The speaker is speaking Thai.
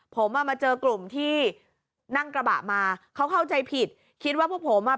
ผมอ่ะมาเจอกลุ่มที่นั่งกระบะมาเขาเข้าใจผิดคิดว่าพวกผมอ่ะ